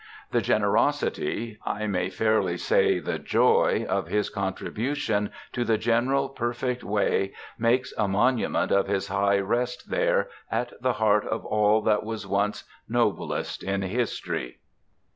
The generosity, I may fairly say the joy, of his contribution to the general perfect way makes a monument of his high rest there at the heart of all that was once noblest in history.